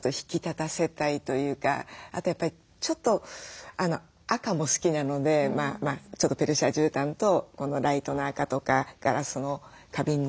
あとやっぱりちょっと赤も好きなのでちょっとペルシャじゅうたんとこのライトの赤とかガラスの花瓶の赤だったりして。